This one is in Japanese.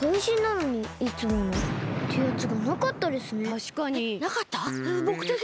たしかに。